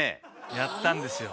やったんですよ。